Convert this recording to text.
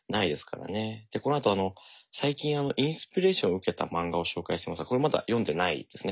でこのあとあの最近インスピレーションを受けた漫画を紹介してますがこれまだ読んでないですね。